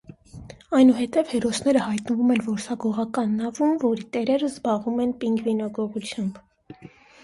Այնուհետև հերսները հայտնվում են որսագողական նավում, որի տերերը զբաղվում են պինգվինագողությամբ։